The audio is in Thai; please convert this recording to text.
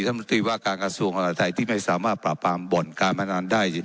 รัฐมนตรีว่าการกระทรวงมหาทัยที่ไม่สามารถปราบปรามบ่อนการพนันได้